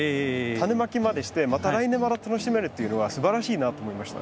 種まきまでしてまた来年また楽しめるっていうのはすばらしいなと思いました。